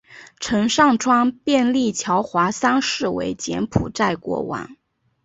陈上川便立乔华三世为柬埔寨国王。